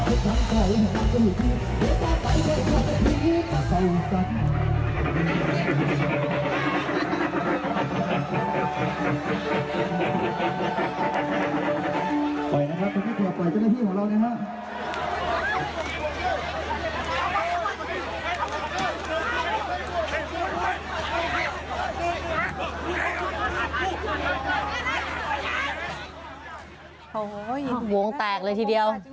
โอ้โหวงแตกเลยทีเดียว